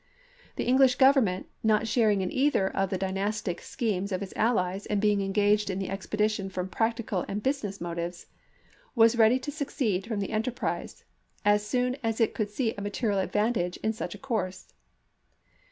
The English Grovernment, not sharing in either of the dynastic schemes of its allies and being engaged in the expedition from practical and business motives, was ready to secede from the enterprise as soon 44 ABEAHAM LINCOLN CHAP. II. as it could see a material advantage in such a course.